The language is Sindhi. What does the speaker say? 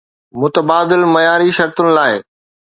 متبادل معياري شرطن لاء